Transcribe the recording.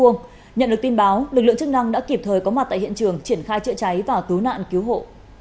nhận được tin báo lực lượng chức năng đã kịp thời có mặt tại hiện trường triển khai chữa cháy và cứu nạn cứu hộ